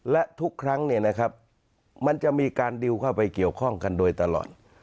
และทุกครั้งมันจะมีการดิวเข้าไปเกี่ยวข้องกันโดยตลอด